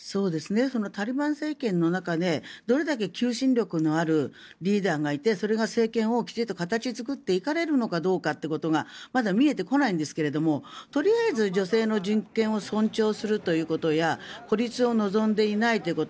タリバン政権の中でどれだけ求心力のあるリーダーがいてそれが政権をきちんと形作っていかれるかということがまだ見えてこないんですがとりあえず女性の人権を尊重するということや孤立を望んでいないということ。